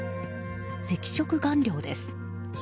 赤色顔料です。